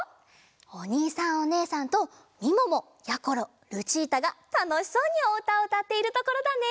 おにいさんおねえさんとみももやころルチータがたのしそうにおうたをうたっているところだね。